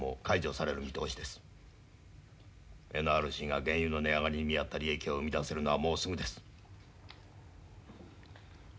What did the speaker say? ＮＲＣが原油の値上がりに見合った利益を生み出せるのはもうすぐです。